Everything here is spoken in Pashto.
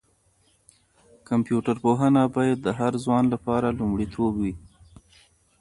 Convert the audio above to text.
کمپيوټر پوهنه باید د هر ځوان لپاره لومړیتوب وي.